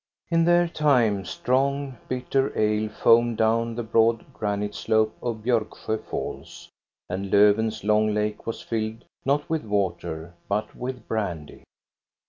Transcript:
In their time strong, bitter ale foamed down the broad granite slope of Bjorksjo falls, and Lofven's long lake was filled not with water, but with brandy.